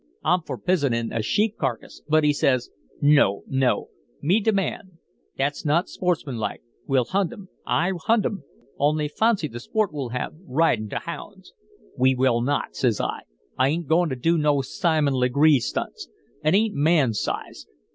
I'm fer pizenin' a sheep carcass, but he says: "'No, no, me deah man; that's not sportsman like; we'll hunt 'em. Ay, hunt 'em! Only fawncy the sport we'll have, ridin' to hounds!' "'We will not,' says I. 'I ain't goin' to do no Simon Legree stunts. It ain't man's size.